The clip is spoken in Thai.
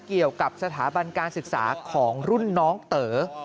เกี่ยวกับสถาบันการศึกษาของรุ่นน้องเต๋อ